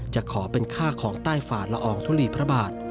จะขอเป็นค่าของใต้ฝ่าละอองทุลีพระบาท